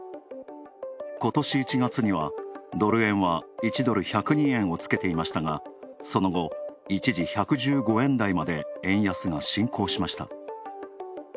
ことし１月にはドル円は１ドル＝１０２円をつけていましたがその後、一時１１５円台まで円安が進行していました。